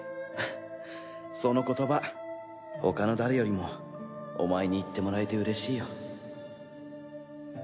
フフその言葉他の誰よりもお前に言ってもらえてうれしいよ